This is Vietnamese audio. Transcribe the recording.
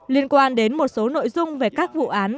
liên quan đến một số nội dung về các vụ án